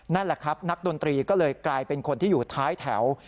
นั่นแหละครับนักดนตรีก็เลยกลายเป็นคนที่อยู่ท้ายแถว